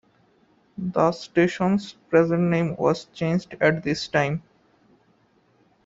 The station's present name was changed at this time.